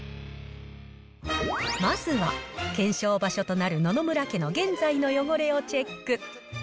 まずは検証場所となる野々村家の現在の汚れをチェック。